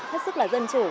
rất là dân chủ